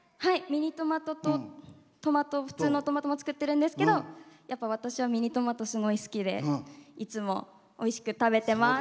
ミニトマトと普通のトマトも作ってるんですけど私はミニトマト好きでいつもおいしく食べてます。